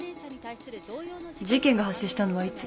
事件が発生したのはいつ？